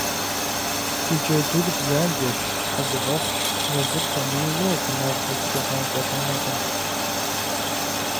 Ди джэдур бзаджэщ, щхьэзыфӏэфӏщ, езыр хуэмейуэ гъунэгъуу узригъэкӀуэлӀэнукъым.